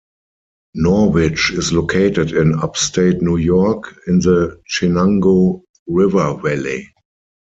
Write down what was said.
Norwich is located in upstate New York, in the Chenango River valley.